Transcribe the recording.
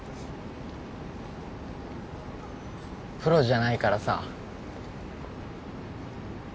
プロじゃないからさ